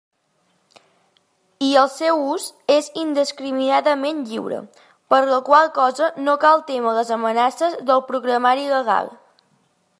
I el seu ús és indiscriminadament lliure, per la qual cosa no cal témer les amenaces del Programari Legal.